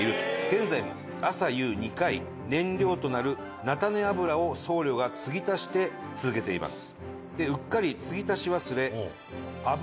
現在も朝夕２回燃料となる菜種油を僧侶が継ぎ足して続けています。